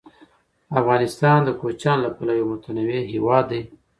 افغانستان د کوچیانو له پلوه یو متنوع هېواد دی.